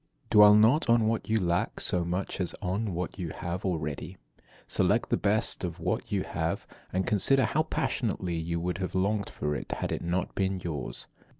27. Dwell not on what you lack so much as on what you have already. Select the best of what you have, and consider how passionately you would have longed for it had it not been yours.